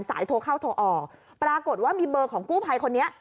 โทรเข้าโทรออกปรากฏว่ามีเบอร์ของกู้ภัยคนนี้